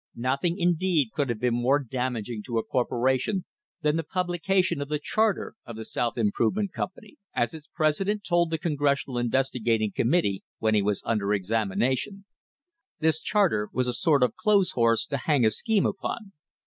Nothi ng, indeed, could have been more damaging to a corpora ion than the publication of the charter of the South Im THE HISTORY OF THE STANDARD OIL COMPANY provement Company. As its president told the Congressional Investigating Committee, when he was under examination, "this charter was a sort of clothes horse to hang a scheme upon."